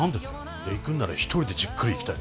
いや行くんなら一人でじっくり行きたい。